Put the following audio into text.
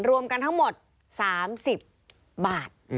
รวมกันทั้งหมด๓๐บาท